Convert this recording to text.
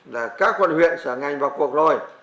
các quận huyện xã ngành vào cuộc rồi